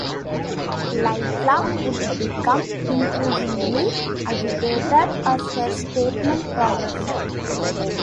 Litella would become increasingly agitated as her statement progressed.